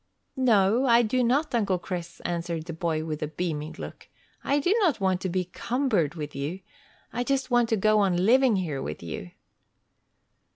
"No, I do not, Uncle Chris," answered the boy, with a beaming look. "I do not want to be cumbered with you. I just want to go on living here with you."